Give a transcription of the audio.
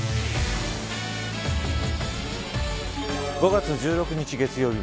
５月１６日月曜日